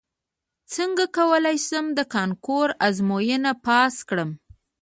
څنګه کولی شم د کانکور ازموینه پاس کړم